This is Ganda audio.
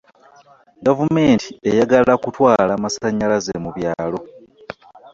Gavumenti eyagala kutwala amasannyalaze mu byalo.